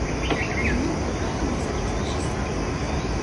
ლინა და კატო მესამე კლასში სწავლობენ